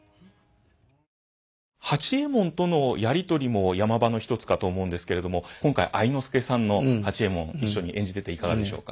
八右衛門とのやり取りも山場の一つかと思うんですけれども今回愛之助さんの八右衛門一緒に演じてていかがでしょうか？